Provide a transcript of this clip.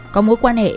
có mối quan hệ